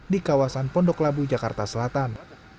di kawasan pondok labu jakarta selatan